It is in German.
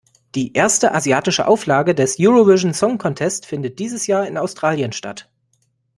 Die erste asiatische Auflage des Eurovision Song Contest findet dieses Jahr in Australien statt.